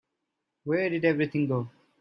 Where did everything go?